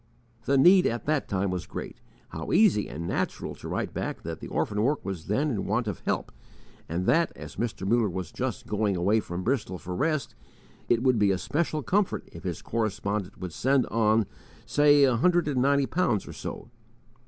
The need at that time was great. How easy and natural to write back that the orphan work was then in want of help, and that, as Mr. Muller was just going away from Bristol for rest, it would be a special comfort if his correspondent would send on, say a hundred and ninety pounds or so!